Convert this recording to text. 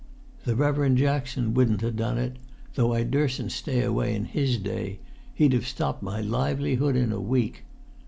The Rever[Pg 43]end Jackson wouldn't ha' done it, though I durs'n't stay away in his day; he'd have stopped my livelihood in a week.